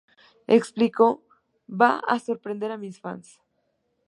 Explicó: "Va a sorprender a mis fans.